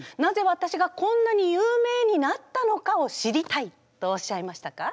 わたしがこんなに有名になったのかを知りたいとおっしゃいましたか？